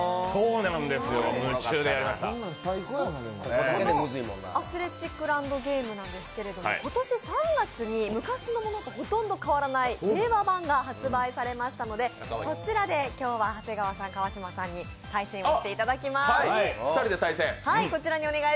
この「アスレチックランドゲーム」ですけど、今年３月に昔のものとほとんど変わらない令和版が発売されましたので、そちらで今日は長谷川さん、川島さんに対戦していただきます。